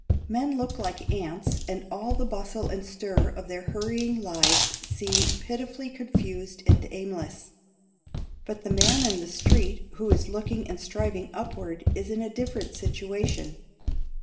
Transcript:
Men look like ants and all the bustle and stir of their hurrying lives seems pitifully confused and aimless. But the man in the street who is looking and striving upward is in a different situation.